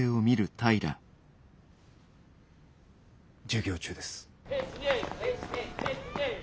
授業中です。